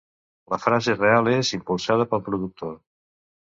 La frase real és "impulsada pel productor".